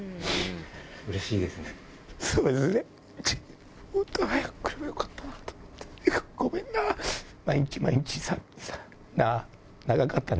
うれしいですね。